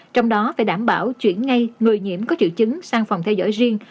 trong đó phải đảm bảo chuyển ngay người nhiễm có triệu chứng sang phòng theo dõi riêng